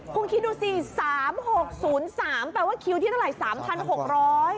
คุณคิดดูสิ๓๖๐๓แปลว่าคิวที่เท่าไหร่๓๖๐๐บาท